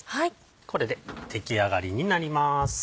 これで出来上がりになります。